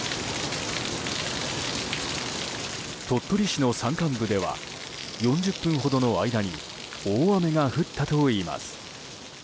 鳥取市の山間部では４０分ほどの間に大雨が降ったといいます。